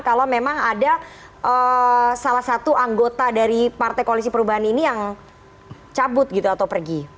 kalau memang ada salah satu anggota dari partai koalisi perubahan ini yang cabut gitu atau pergi